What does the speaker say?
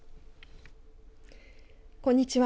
こんにちは。